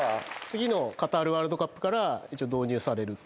次のカタールワールドカップから導入されると。